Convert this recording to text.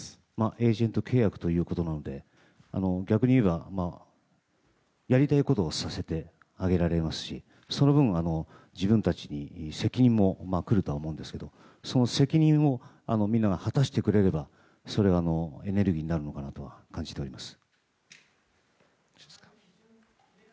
エージェント契約ということなので逆にいえば、やりたいことをさせてあげられますしその分、自分たちに責任も来るとは思うんですけどその責任をみんなが果たしてくれればそれはエネルギーになるのかなと感じております。